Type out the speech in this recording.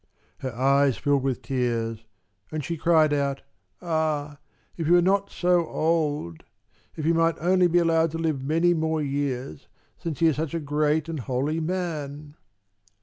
Her eyes filled with tears, and she cried out: "Ah, if he were not so old! If he might only be allowed to live many more years, since he is such a great and holy man!"